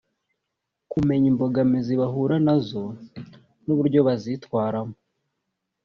kumenya imbogamizi bahura nazo n’uburyo bazitwaramo